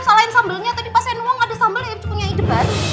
salahin sambelnya tadi pas emang ada sambel yang punya ide banget